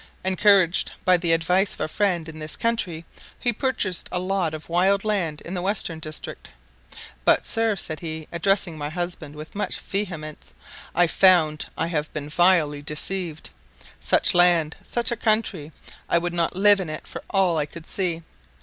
Encouraged by the advice of a friend in this country, he purchased a lot of wild land in the western district; "but sir," said he, addressing my husband with much vehemence, "I found I had been vilely deceived. Such land, such a country I would not live in it for all I could see.